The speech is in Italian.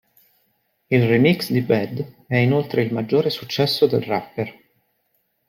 Il remix di Bad è inoltre il maggiore successo del rapper.